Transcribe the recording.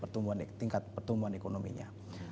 tingkat pertumbuhan ekonominya